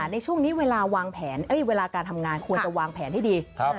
ในช่วงนี้เวลาการทำงานควรจะวางแผนให้ดี